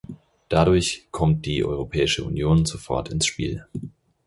Dadurch kommt die Europäische Union sofort ins Spiel.